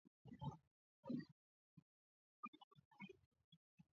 Dalili ya ugonjwa wa kimeta ni vifo vya ghafla bila hata dalili ya ugonjwa